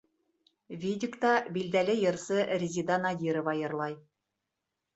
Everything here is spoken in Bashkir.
Видикта билдәле йырсы Резеда Надирова йырлай.